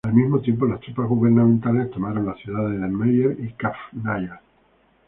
Al mismo tiempo, las tropas gubernamentales tomaron las ciudades de Mayer y Kafr Naya.